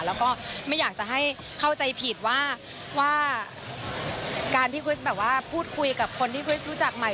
แล้วก็ไม่อยากจะให้เข้าใจผิดว่าการที่คริสแบบว่าพูดคุยกับคนที่คริสรู้จักใหม่